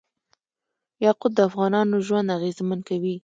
یاقوت د افغانانو ژوند اغېزمن کوي.